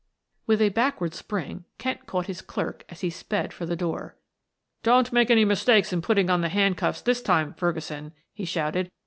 With a backward spring Kent caught his clerk as he sped for the door. "Don't make any mistake in putting on the handcuffs this time, Ferguson," he shouted.